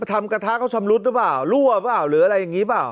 ทำกระทะเขาชำรุดหรือเปล่ารั่วเปล่าหรืออะไรอย่างนี้เปล่า